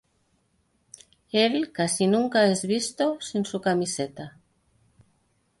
Él casi nunca es visto sin su camiseta.